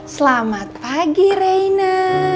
selamat pagi reina